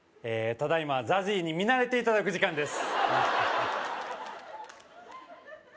ただいまＺＡＺＹに見慣れていただく時間です